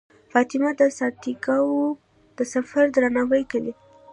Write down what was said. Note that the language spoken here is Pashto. فاطمه د سانتیاګو د سفر درناوی کوي.